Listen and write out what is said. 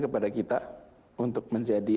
kepada kita untuk menjadi